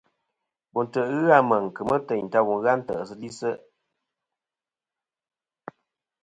Bo ntè' ghɨ Meŋ kemɨ ighel teynta wu ghɨ a ntè'sɨlisɨ.